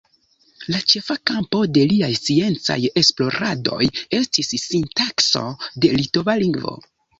La ĉefa kampo de liaj sciencaj esploradoj estis sintakso de litova lingvo.